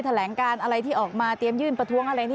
แถลงการอะไรที่ออกมาเตรียมยื่นประท้วงอะไรนี่